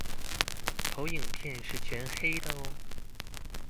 投影片是全黑的喔